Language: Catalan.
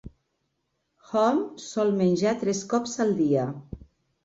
Hom sol menjar tres cops al dia.